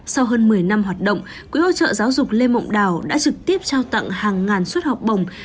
sau hơn một mươi năm hoạt động quỹ hỗ trợ giáo dục lê mộng đảo đã trực tiếp trao tặng hàng ngàn suất học bổng